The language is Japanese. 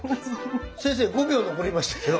先生５秒残りましたけど。